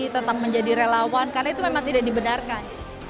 tetap menjadi relawan karena itu memang tidak dibenarkan